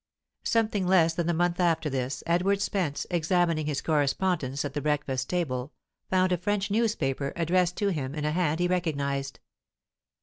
Something less than a month after this, Edward Spence, examining his correspondence at the breakfast table, found a French newspaper, addressed to him in a hand he recognized.